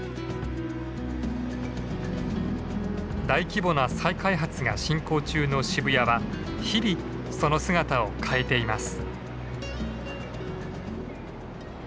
大規模な再開発が進行中の渋谷は日々その姿を変えています。